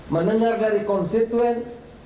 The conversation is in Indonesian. mendengar dari konstituen